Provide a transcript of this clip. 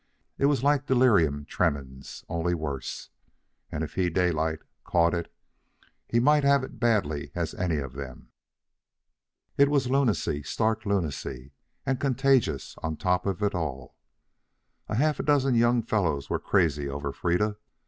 It was like delirium tremens, only worse. And if he, Daylight, caught it, he might have it as badly as any of them. It was lunacy, stark lunacy, and contagious on top of it all. A half dozen young fellows were crazy over Freda.